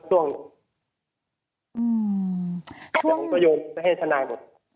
แต่ผมต้องโยนไม่ให้ธนายท์หมด